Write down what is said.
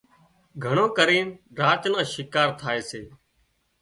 گھڻو ڪرينَ راچ نان شڪار ٿائي سي